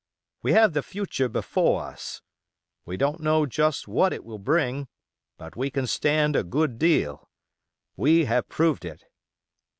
We have the future before us—we don't know just what it will bring, but we can stand a good deal. We have proved it.